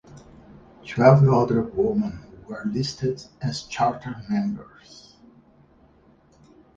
Twelve other women were listed as charter members.